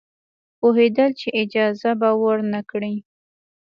پوهېدل چې اجازه به ورنه کړي.